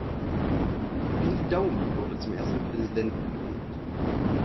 Willi Daume wurde zum ersten Präsidenten gewählt.